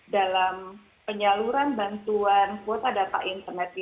dalam penyaluran bantuan kuota data internet